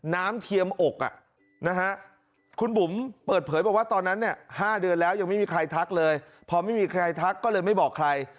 เทียมอกนะฮะคุณบุ๋มเปิดเผยบอกว่าตอนนั้นเนี่ย๕เดือนแล้วยังไม่มีใครทักเลยพอไม่มีใครทักก็เลยไม่บอกใคร